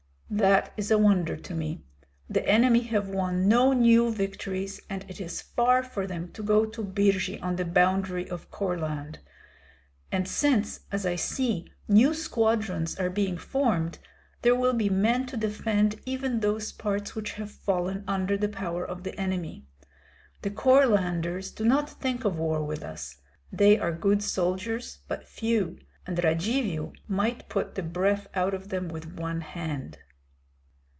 "That is a wonder to me. The enemy have won no new victories, and it is far for them to go to Birji on the boundary of Courland. And since, as I see, new squadrons are being formed, there will be men to defend even those parts which have fallen under the power of the enemy. The Courlanders do not think of war with us. They are good soldiers, but few; and Radzivill might put the breath out of them with one hand."